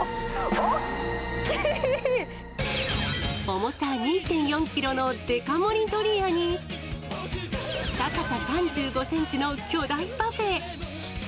重さ２．４キロのデカ盛りドリアに、高さ３５センチの巨大パフェ。